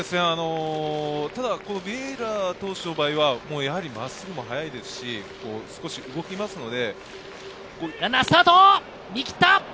ビエイラ投手の場合は真っすぐも速いですし、少し動きますので。